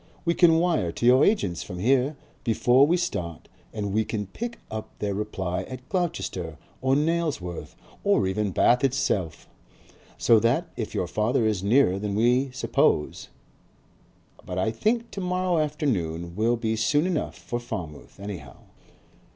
"We can wire to your agents from here before we start and we can pick up their reply at Gloucester or Nailsworth or even Bath itself. So that if your father is nearer than we suppose But I think to morrow afternoon will be soon enough for Falmouth, anyhow."